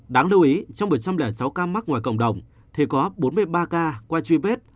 đáng lưu ý trong một trăm linh sáu ca mắc ngoài cộng đồng thì có bốn mươi ba ca qua truy vết